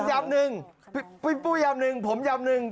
ยำหนึ่งพี่ปุ้ยยำหนึ่งผมยำหนึ่ง